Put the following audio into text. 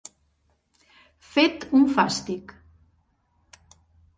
Fet un fàstic.